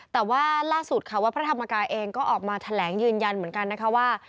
แต่ว่าล่าสุดค่ะวัดพระธรรมกายเองก็ออกมาแถลงยืนยันเหมือนกันนะคะว่า